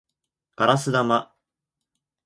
ガラス玉